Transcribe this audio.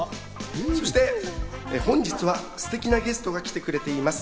そして本日はすてきなゲストが来てくれています。